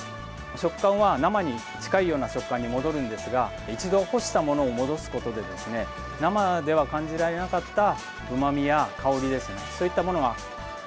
食感は生に近いような食感に戻るんですが一度干したものを戻すことで生では感じられなかったうまみや香りが、より深まるんですね。